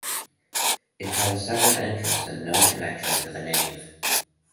It had a separate entrance and no connection to the nave.